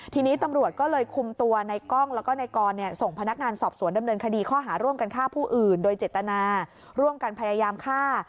ทีนี้ตำรวจก็เลยคุมตัวในกล้องแล้วก็นายกรส่งพนักงานสอบสวนดำเนินคดีข้อหาร่วมกันฆ่าผู้อื่นโดยเจตนาร่วมกันพยายามฆ่า